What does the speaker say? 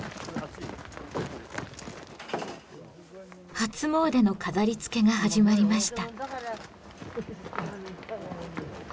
初詣の飾りつけが始まりました。